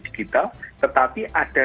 digital tetapi ada